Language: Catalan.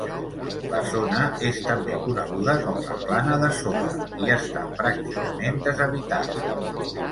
La zona és també coneguda com la Plana de Soda, i està pràcticament deshabitada.